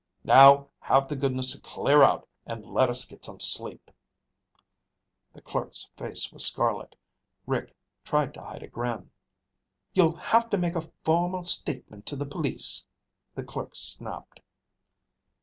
Now have the goodness to clear out and let us get some sleep." The clerk's face was scarlet. Rick tried to hide a grin. "You'll have to make a formal statement to the police," the clerk snapped.